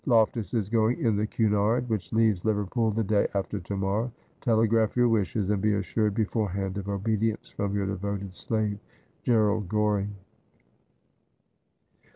Loftus is going in the Cunard, which leaves Liverpool the day after to morrow. Telegraph your wishes, and be assured before hand of obedience from your devoted slave, 'GrEKALD GORING.'